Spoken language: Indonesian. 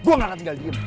gue gak akan tinggal diam